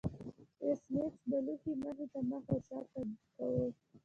ایس میکس د لوحې مخې ته مخ او شا تګ کاوه